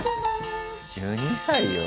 １２歳よ。